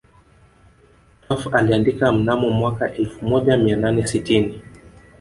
Krapf aliandika mnamo mwaka elfu moja mia nane sitini